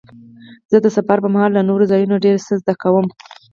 زه د سفر پر مهال له نوو ځایونو ډېر څه زده کوم.